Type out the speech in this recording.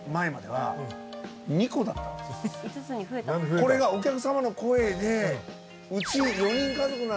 これがお客様の声で。